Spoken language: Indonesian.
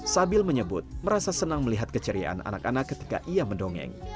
sabil menyebut merasa senang melihat keceriaan anak anak ketika ia mendongeng